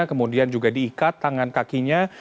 kemudian juga diikat tangan kakinya